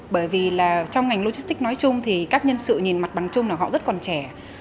bởi vì là trong ngành logistics nói chung thì các nhân sự nhìn mặt bằng chung là họ rất còn trẻ